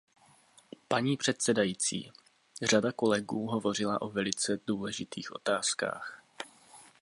Paní předsedající, řada kolegů hovořila o velice důležitých otázkách.